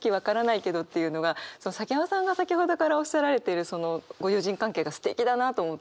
崎山さんが先程からおっしゃられてるそのご友人関係がすてきだなと思って。